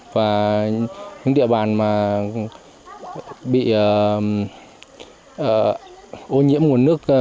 và những địa bàn mà bị ô nhiễm nguồn nước